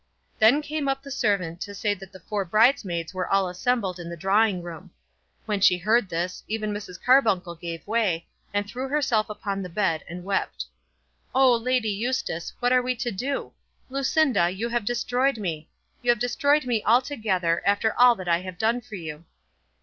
Then came up the servant to say that the four bridesmaids were all assembled in the drawing room. When she heard this, even Mrs. Carbuncle gave way, and threw herself upon the bed and wept. "Oh, Lady Eustace, what are we to do? Lucinda, you have destroyed me. You have destroyed me altogether, after all that I have done for you."